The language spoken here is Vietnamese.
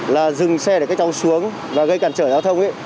là dừng xe để các cháu xuống và gây cản trở giao thông